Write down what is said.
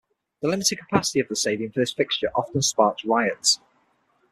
The limited capacity of the stadium for this fixture often sparks riots.